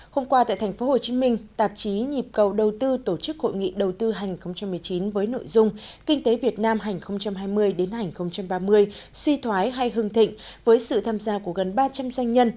hôm qua tại tp hcm tạp chí nhịp cầu đầu tư tổ chức hội nghị đầu tư hành một mươi chín với nội dung kinh tế việt nam hành hai mươi ba mươi suy thoái hay hưng thịnh với sự tham gia của gần ba trăm linh doanh nhân